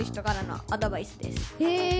へえ。